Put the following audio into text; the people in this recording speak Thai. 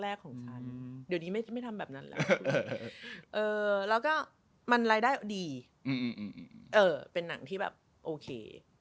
ของฉันเดี๋ยวนี้ไม่ทำแบบนั้นแล้วแล้วก็มันรายได้ดีเป็นหนังที่แบบโอเค